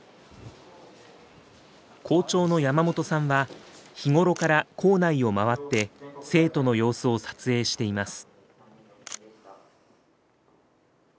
校長の山本さんは日頃から校内を回って生徒の様子を撮影しています。